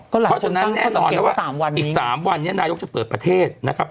เพราะฉะนั้นแน่นอนแล้วว่าอีก๓วันนี้นายกจะเปิดประเทศนะครับ